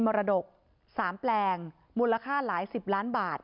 พอท็อปเรียนจบก็ไปทำธุรกิจหลายอย่าง